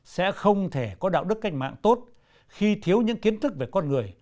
sẽ không thể có đạo đức cách mạng tốt khi thiếu những kiến thức về con người